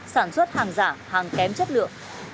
sản xuất hàng giả hàng kém chất lượng